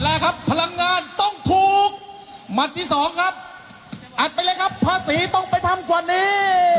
หณ์แรครับพลังงานต้องถูกหรือสองครับแอบไปเลยครับภาคศรีต้องไปทำกว่านี้